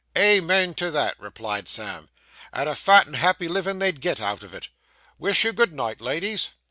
'Amen to that,' replied Sam, 'and a fat and happy liven' they'd get out of it! Wish you good night, ladies.